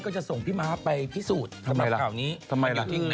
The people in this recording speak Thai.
ก็จะส่งพี่ม้าไปพิสูจน์สำหรับเก่านี้ทำไมล่ะทำไมล่ะมันอยู่ที่ไหนอ่ะ